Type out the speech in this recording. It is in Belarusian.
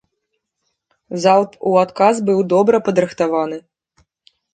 Залп у адказ быў добра падрыхтаваны.